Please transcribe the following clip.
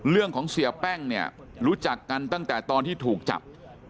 เสียแป้งเนี่ยรู้จักกันตั้งแต่ตอนที่ถูกจับ